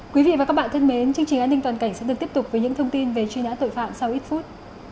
quý vị và các bạn thân mến chương trình an ninh toàn cảnh sẽ được tiếp tục với những thông tin về truy nã tội phạm sau ít phút